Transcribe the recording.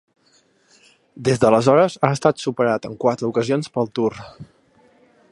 Des d'aleshores ha estat superat en quatre ocasions pel Tour.